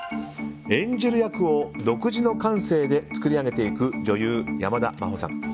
演じる役を独自の感性で作り上げていく女優・山田真歩さん。